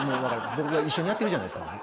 僕が一緒にやってるじゃないですか。